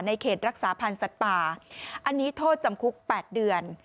เขตรักษาพันธ์สัตว์ป่าอันนี้โทษจำคุก๘เดือน